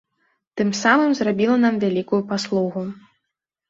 Тым самым зрабіла нам вялікую паслугу.